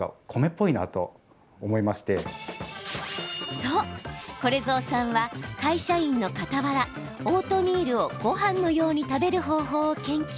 そう、これぞうさんは会社員のかたわらオートミールをごはんのように食べる方法を研究。